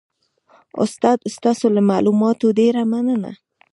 استاده ستاسو له معلوماتو ډیره مننه